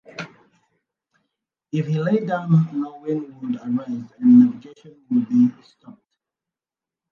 If he lay down no wind would arise and navigation would be stopped.